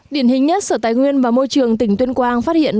điển hình nhất sở tài nguyên và môi trường tỉnh tuyên quang phát hiện